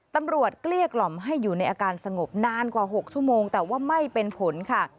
เกลี้ยกล่อมให้อยู่ในอาการสงบนานกว่า๖ชั่วโมงแต่ว่าไม่เป็นผลค่ะ